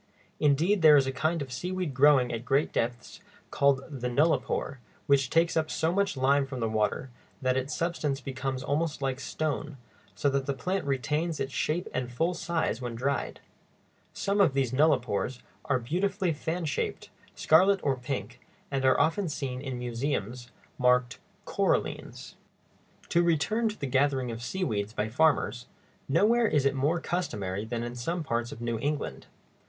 Indeed, there is a kind of seaweed growing at great depths called the nullipore, which takes up so much lime from the water that its substance becomes almost like stone, so that the plant retains its shape and full size when dried. Some of these nullipores are beautifully fan shaped, scarlet or pink, and are often seen in museums, marked corallines. [Illustration: SEAWEEDS. 1. Laminaria digitata. 2. L. longicruris.] To return to the gathering of seaweeds by farmers, nowhere is it more customary than in some parts of New England.